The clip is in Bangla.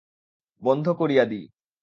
বন্ধ করিয়া দিই।